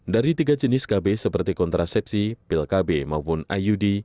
dari tiga jenis kb seperti kontrasepsi pil kb maupun iud